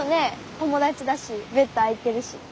友達だしベッド空いてるし。